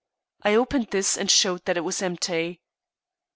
I opened this and showed that it was empty.